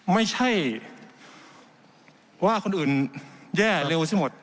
ไม่ใช่ว่าคนอื่นแย่เร็วซะหมด